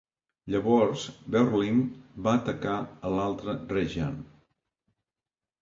Llavors, Beurling va atacar a l'altre Reggiane.